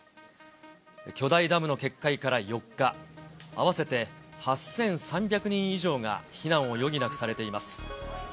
巨大ダムの決壊から４日、合わせて８３００人以上が避難を余儀なくされています。